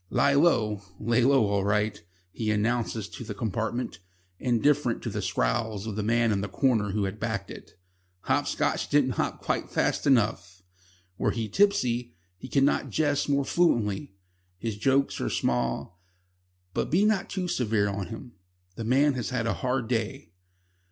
"Lie Low lay low all right," he announces to the compartment, indifferent to the scowls of the man in the corner who had backed it. "Hopscotch didn't hop quite fast enough." Were he tipsy, he could not jest more fluently. His jokes are small, but be not too severe on him. The man has had a hard day.